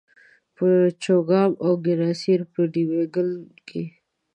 په چوګام او کڼاسېر په دېوه ګل کښي